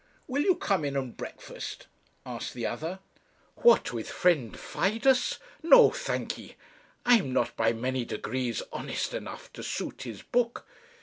'Will you come in and breakfast?' asked the other. 'What, with friend Fidus? no, thank'ee; I am not, by many degrees, honest enough to suit his book.